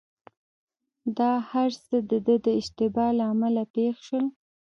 دا هرڅه دده د اشتباه له امله پېښ شول.